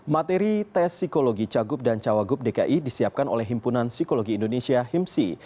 materi tes psikologi cagup dan cawagup dki disiapkan oleh himpunan psikologi indonesia himsi